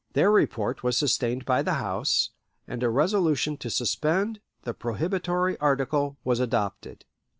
Their report was sustained by the House, and a resolution to suspend the prohibitory article was adopted.